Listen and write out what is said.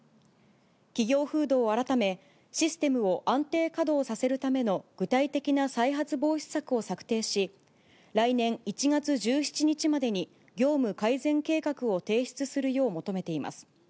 企業風土を改め、システムを安定稼働させるための具体的な再発防止策を策定し、来年１月１７日までに、業務改善計画を提出するよう求めています。